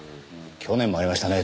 去年もありましたね